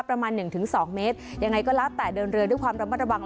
ประมาณหนึ่งถึงสองเมตรยังไงก็แล้วแต่เดินเรือด้วยความระมัดระวัง